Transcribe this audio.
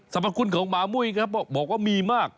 พคุณของหมามุ้ยครับบอกว่ามีมาก